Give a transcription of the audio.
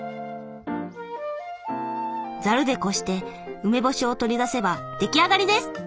ザルでこして梅干しを取り出せば出来上がりです！